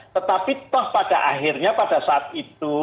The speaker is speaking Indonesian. tetapi toh pada akhirnya pada saat itu